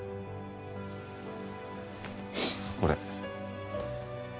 これ。